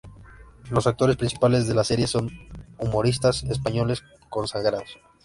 Los actores principales de la serie son humoristas españoles consagrados.